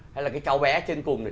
hay là cái cháu bé trên cùng này